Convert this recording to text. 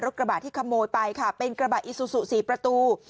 กระบะที่ขโมยไปค่ะเป็นกระบะอิซูซู๔ประตู